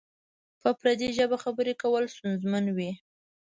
په پردۍ ژبه خبری کول ستونزمن وی؟